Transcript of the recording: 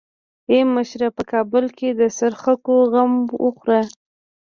ای مشره په کابل کې د څرخکو غم وخوره.